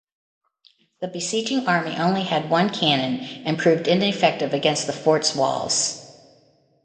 The besieging army only had one cannon and proved ineffective against the forts walls.